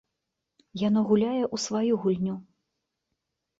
Яно гуляе ў сваю гульню.